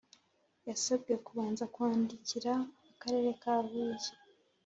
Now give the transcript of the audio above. Yasabwe kubanza kwandikira Akarere ka huye